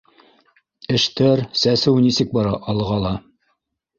Эштәр, сәсеү нисек бара «Алға»ла?